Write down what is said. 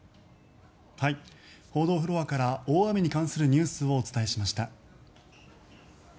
報道フロアから大雨に関するニュースをお伝えしました。